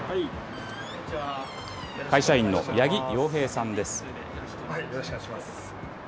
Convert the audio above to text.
会社員の八木陽平さんです。